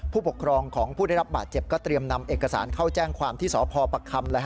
ผู้ปกครองของผู้ได้รับบาดเจ็บก็เตรียมนำเอกสารเข้าแจ้งความที่สพประคำ